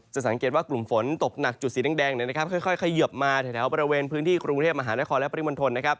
สังเกตว่ากลุ่มฝนตกหนักจุดสีแดงค่อยเขยิบมาแถวบริเวณพื้นที่กรุงเทพมหานครและปริมณฑล